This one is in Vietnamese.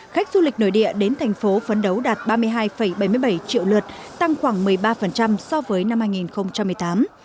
khách du lịch nội địa đến thành phố phấn đấu đạt ba mươi hai bảy mươi bảy triệu lượt tăng khoảng một mươi ba so với năm hai nghìn một mươi tám